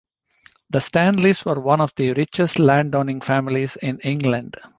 The Stanleys were one of the richest landowning families in England.